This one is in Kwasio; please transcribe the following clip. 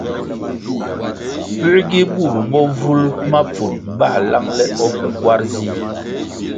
Puē gi bur bovul mapfunʼ ba lang le o pa kwar zih?